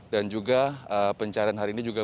dan juga pencarian hari ini juga